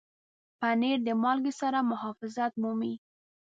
پنېر د مالګې سره محافظت مومي.